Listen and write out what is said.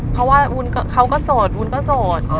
เพราะว่าวุ้นเขาก็โสดวุ้นก็โสด